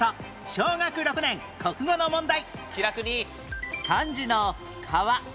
小学６年国語の問題